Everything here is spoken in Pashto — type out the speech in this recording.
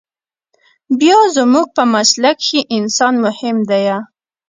بيا زموږ په مسلک کښې انسان مهم ديه.